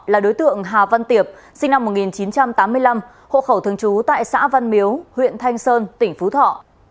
là đối tượng hà văn tiệp sinh năm một nghìn chín trăm tám mươi năm hộ khẩu thường trú tại xã văn miếu huyện thanh sơn tỉnh phú thọ